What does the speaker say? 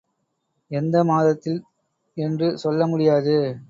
எந்த மாதத்தில் என்று சொல்லமுடியாது.